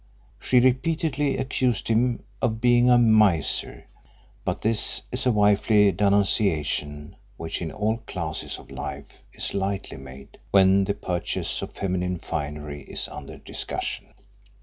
She repeatedly accused him of being a miser, but this is a wifely denunciation which in all classes of life is lightly made when the purchase of feminine finery is under discussion.